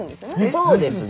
そうですね。